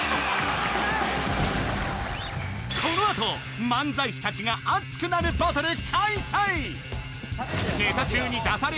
このあと漫才師達が熱くなるバトル開催